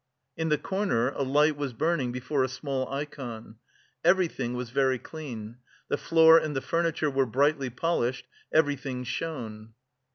In the corner a light was burning before a small ikon. Everything was very clean; the floor and the furniture were brightly polished; everything shone.